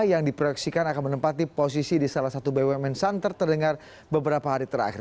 yang diproyeksikan akan menempati posisi di salah satu bumn center terdengar beberapa hari terakhir